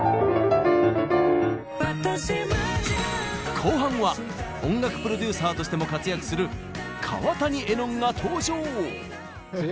後半は音楽プロデューサーとしても活躍する川谷絵音が登場！